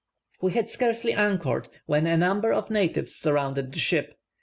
We had scarcely anchored, when a number of natives surrounded the ship.